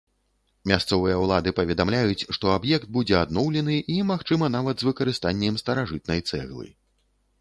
Мясцовыя ўлады паведамляюць, што аб'ект будзе адноўлены, і, магчыма, нават з выкарыстаннем старажытнай цэглы.